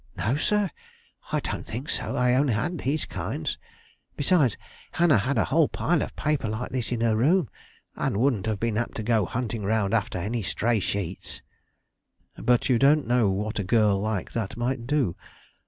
"No, sir; I don't think so. I had only these kinds; besides, Hannah had a whole pile of paper like this in her room, and wouldn't have been apt to go hunting round after any stray sheets." "But you don't know what a girl like that might do.